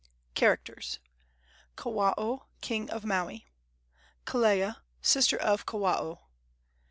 CHARACTERS. Kawao, king of Maui. Kelea, sister of Kawao.